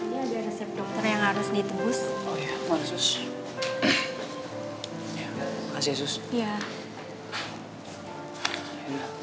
mereka masih sudah sudah berd cementara